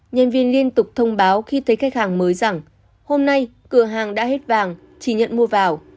nhân viên liên tục thông báo khi thấy khách hàng mới rằng hôm nay cửa hàng đã hết vàng chỉ nhận mua vào